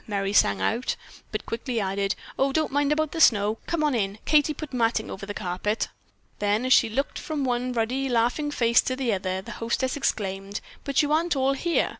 Merry sang out, but quickly added: "Oh, don't mind about the snow. Come on in. Katie put matting over the carpet." Then as she looked from one ruddy, laughing face to another, the hostess exclaimed: "But you aren't all here.